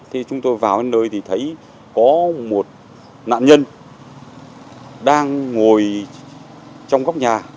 thì chúng tôi vào nơi thì thấy có một nạn nhân đang ngồi trong góc nhà